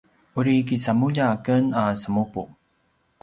uri kisamulja aken a semupu